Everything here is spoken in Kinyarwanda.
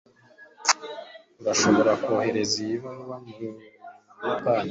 urashobora kohereza iyi baruwa mubuyapani